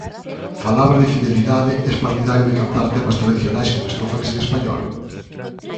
Falabas de fidelidade, es partidario de cantar temas tradicionais con estrofas en español?